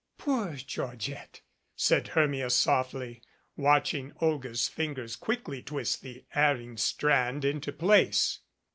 "Poor Georgette!" said Hermia softly, watching Olga's fingers quickly twist the erring strand into place.